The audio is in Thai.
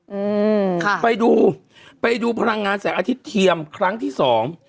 อืมค่ะไปดูไปดูพลังงานแสงอาทิตย์เทียมครั้งที่สอง